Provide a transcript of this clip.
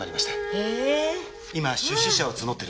へえ。